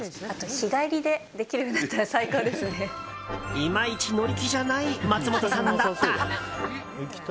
いまいち乗り気じゃない松本さんだった。